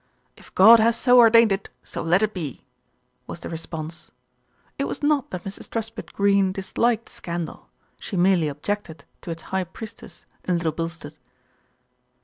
"If God has so ordained it, so let it be," was the response. It was not that Mrs. Truspitt Greene dis liked scandal, she merely objected to its high priestess in Little Bilstead.